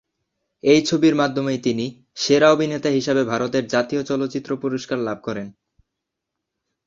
এ ছবির মাধ্যমেই তিনি 'সেরা অভিনেতা' হিসেবে ভারতের 'জাতীয় চলচ্চিত্র পুরস্কার' লাভ করেন।